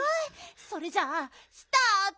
それじゃあスタート！